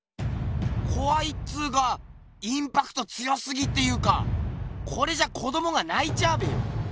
こわいっつうかインパクト強すぎっていうかこれじゃ子どもがないちゃうべよ。